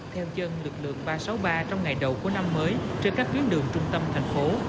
theo chân lực lượng ba trăm sáu mươi ba trong ngày đầu của năm mới trên các tuyến đường trung tâm thành phố